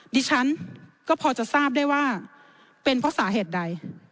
ดิฉันก็พอจะทราบได้ว่าเป็นเพราะสาเหตุใด